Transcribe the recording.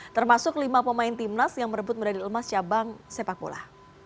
termasuk lima pemain timnas yang merebut medali emas cabang sepak bola